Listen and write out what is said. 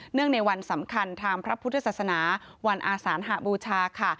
ในวันสำคัญทางพระพุทธศาสนาวันอาสานหบูชาค่ะ